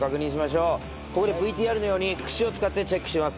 ここでＶＴＲのように串を使ってチェックします。